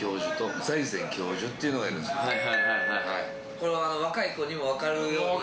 これは若い子にも分かるように。